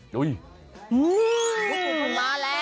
ปุ๊บ